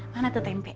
mana tuh tempe